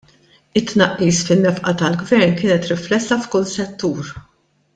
It-tnaqqis fin-nefqa tal-Gvern kienet riflessa f'kull settur.